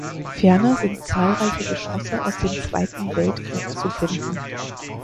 Ferner sind zahlreiche Geschosse aus dem Zweiten Weltkrieg zu finden.